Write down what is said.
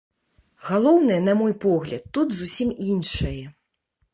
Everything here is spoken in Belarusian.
Галоўнае, на мой погляд, тут зусім іншае.